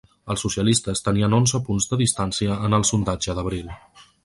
Els socialistes tenien onze punts de distància en el sondatge d’abril.